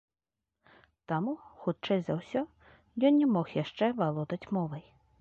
Таму, хутчэй за ўсё, ён не мог яшчэ валодаць мовай.